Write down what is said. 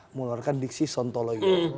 mengeluarkan diksi sontoloyo